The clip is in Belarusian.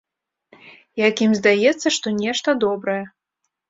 Як ім здаецца, што нешта добрае.